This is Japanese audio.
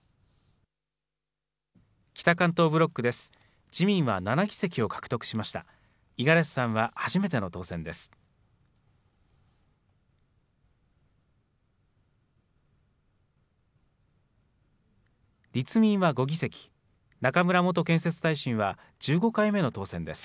北関東ブロックです。